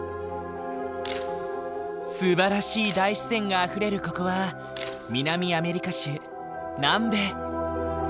すばらしい大自然があふれるここは南アメリカ州南米。